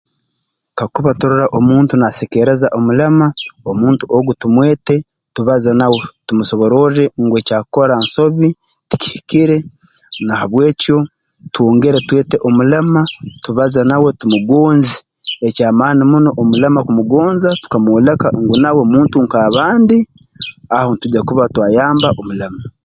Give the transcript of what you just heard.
Kakuba turora omuntu naaseekeereza omulema omuntu ogu tumwete tubaze nawe tumusobororre ngu ekyakukora nsobi tikihire na habw'ekyo twongere twete omulema tubaze nawe tumugonze eky'amaani muno omulema kumugonza tukamwoleka ngu nawe muntu nk'abandi aho ntugya kuba twayamba omulema